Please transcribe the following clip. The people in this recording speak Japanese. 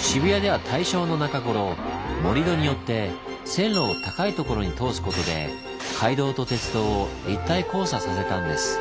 渋谷では大正の中頃盛り土によって線路を高いところに通すことで街道と鉄道を立体交差させたんです。